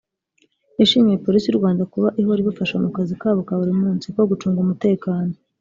yashimiye Polisi y’u Rwanda kuba ihora ibafasha mu kazi kabo ka buri munsi ko gucunga umutekano